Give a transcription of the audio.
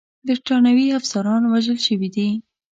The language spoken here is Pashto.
برټانوي افسران وژل شوي دي.